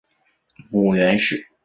母袁氏。